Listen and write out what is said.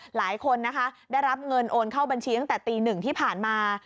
หลายคนนะคะได้รับเงินโอนเข้าบัญชีตั้งแต่ตีหนึ่งที่ผ่านมา